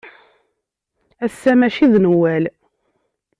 Ass-a maci d Newwal!